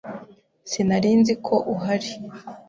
Sinari nzi ko uhari.